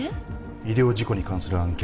医療事故に関する案件